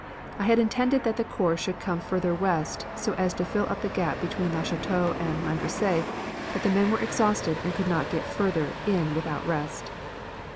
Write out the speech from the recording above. I had intended that the corps should come further west so as to fill up the gap between Le Cateau and Landrecies, but the men were exhausted and could not get further in without rest.